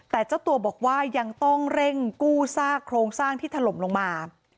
แต่เจ้าตัวบอกว่ายังต้องเร่งกู้ซากโครงสร้างที่ถล่มลงมา